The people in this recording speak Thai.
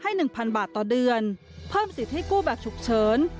ให้หนึ่งพันบาทต่อเดือนเพิ่มสิทธิ์ให้กู่แบดฉุกเฉิน